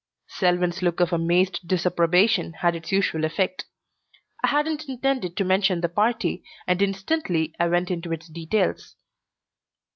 Selwyn's look of amazed disapprobation had its usual effect. I hadn't intended to mention the party, and instantly I went into its details.